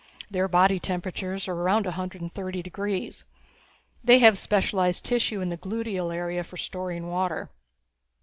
Their body temperatures are around a hundred and thirty degrees. They have specialized tissue in the gluteal area for storing water.